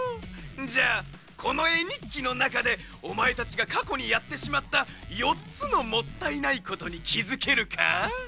じゃあこのえにっきのなかでおまえたちがかこにやってしまった４つのもったいないことにきづけるか？